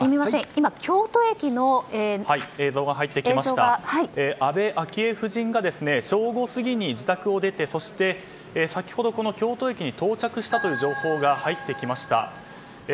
今、京都駅の映像が安倍昭恵夫人が正午過ぎに自宅を出てそして先ほど、この京都駅に到着したという情報が入ってきました。